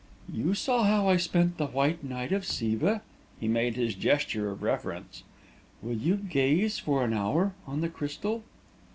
"You saw how I spent the White Night of Siva," and he made his gesture of reverence. "Will you gaze for an hour on the crystal?"